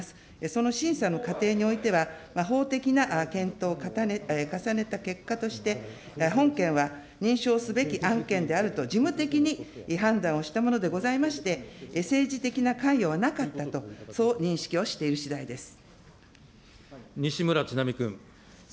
その審査の過程においては、法的な検討を重ねた結果として、本件は認証すべき案件であると、事務的に判断をしたものでございまして、政治的な関与はなかったと、西村智奈美君。